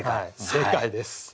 正解です！